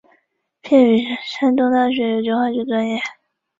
毕业于山东大学有机化学专业。